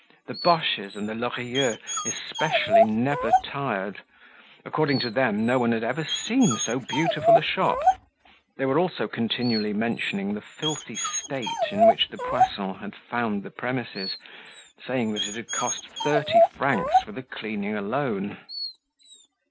The Boches and the Lorilleuxs especially, never tired. According to them, no one had ever seen so beautiful a shop. They were also continually mentioning the filthy state in which the Poissons had found the premises, saying that it had cost thirty francs for the cleaning alone.